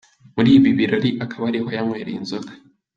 Muri ibi birori akaba ariho yanywereye inzoga.